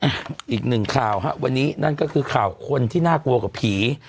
อีกหนึ่งข่าวฮะวันนี้นั่นก็คือข่าวคนที่น่ากลัวกว่าผี